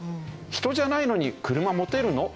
人じゃないのに車持てるの？